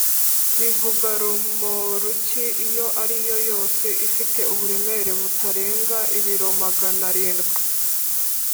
bivuga romoruki iyo ariyo yose ifite uburemere butarenga ibiro Magana arindwi.